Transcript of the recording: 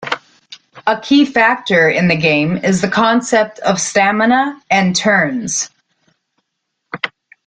A key factor in the game is the concept of "Stamina" and "Turns.